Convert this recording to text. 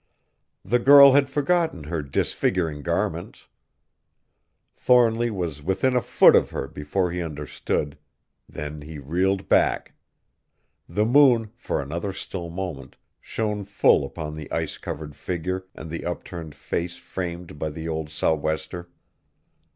The girl had forgotten her disfiguring garments. Thornly was within a foot of her before he understood. Then he reeled back. The moon, for another still moment, shone full upon the ice covered figure and the upturned face framed by the old sou'wester.